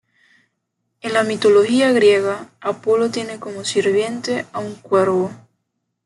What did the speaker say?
En la mitología griega, Apolo tiene como sirviente a un cuervo.